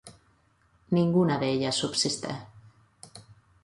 Ninguna de ellas subsiste.